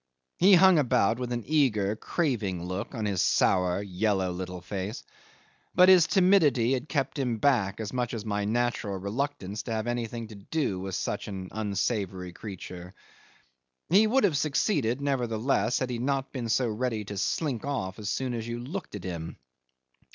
He hung about with an eager craving look on his sour yellow little face; but his timidity had kept him back as much as my natural reluctance to have anything to do with such an unsavoury creature. He would have succeeded, nevertheless, had he not been so ready to slink off as soon as you looked at him.